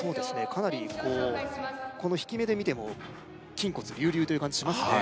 かなりこうこの引き目で見ても筋骨隆々という感じしますね